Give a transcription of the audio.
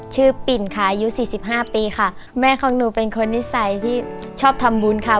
ปิ่นค่ะอายุสี่สิบห้าปีค่ะแม่ของหนูเป็นคนนิสัยที่ชอบทำบุญค่ะ